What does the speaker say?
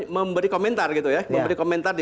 memberi komentar gitu ya memberi komentar di